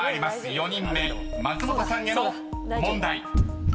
４人目松本さんへの問題］